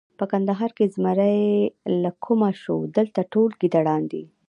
په کندهار کې زمری له کومه شو! دلته ټول ګیدړان دي.